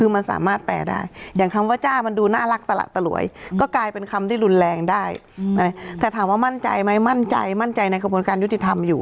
ว่ามั่นใจไหมมั่นใจมั่นใจในกระบวนการยุติธรรมอยู่